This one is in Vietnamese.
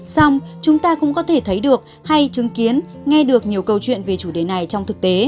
xong chúng ta cũng có thể thấy được hay chứng kiến nghe được nhiều câu chuyện về chủ đề này trong thực tế